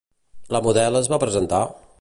La model es va presentar?